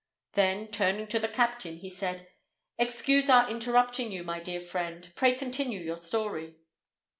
Then, turning to the captain, he said, "Excuse our interrupting you, my dear friend; pray continue your story."